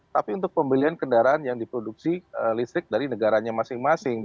tapi untuk pembelian kendaraan yang diproduksi listrik dari negaranya masing masing